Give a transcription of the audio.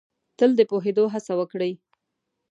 تل د پوهېدو هڅه وکړ ئ